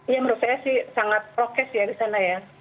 ya menurut saya sih sangat prokes ya di sana ya